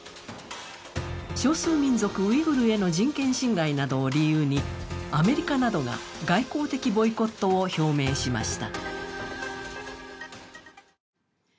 少数民族、ウイグルへの人権侵害などを理由にアメリカなどが外交的ボイコットを表明しました。